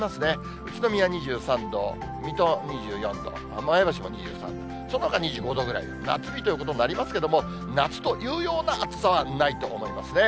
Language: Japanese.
宇都宮２３度、水戸２４度、前橋も２３度、そのほか２５度ぐらい、夏日ということになりますけれども、夏というような暑さはないと思いますね。